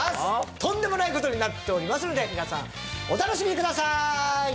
とんでもない事になっておりますので皆さんお楽しみください！